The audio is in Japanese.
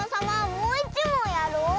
もういちもんやろう！